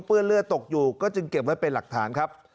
เลือดเลือดตกอยู่ก็จึงเก็บไว้เป็นหลักฐานครับ